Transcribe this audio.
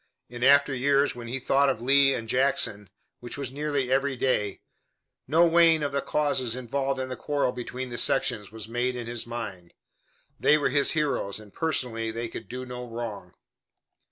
In after years when he thought of Lee and Jackson, which was nearly every day, no weighing of the causes involved in the quarrel between the sections was made in his mind. They were his heroes, and personally they could do no wrong.